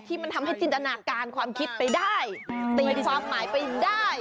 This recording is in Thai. มันทำให้จินตนาการความคิดไปได้ตีความหมายไปได้